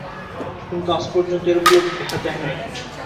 কিন্তু আজ পর্যন্ত এরূপ লোক দেখা যায় নাই।